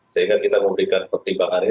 sehingga kita memberikan pertimbangan